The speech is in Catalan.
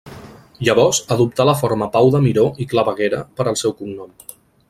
Llavors adoptà la forma Pau de Miró i Claveguera per al seu cognom.